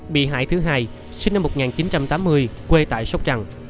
bị hại thứ hai sinh năm một nghìn chín trăm tám mươi quê tại sóc trăng